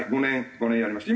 ５年やりました。